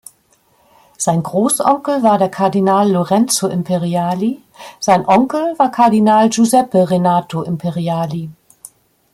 Sein Großonkel war der Kardinal Lorenzo Imperiali, sei Onkel war Kardinal Giuseppe Renato Imperiali.